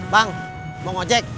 bang mau ojek